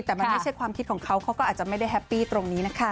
แต่มันไม่ใช่ความคิดของเขาเขาก็อาจจะไม่ได้แฮปปี้ตรงนี้นะคะ